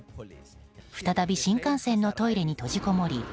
再び新幹線のトイレに閉じこもり